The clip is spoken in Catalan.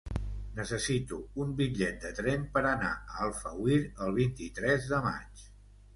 Necessito un bitllet de tren per anar a Alfauir el vint-i-tres de maig.